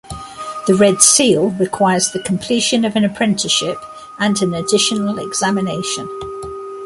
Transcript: The Red Seal requires the completion of an apprenticeship and an additional examination.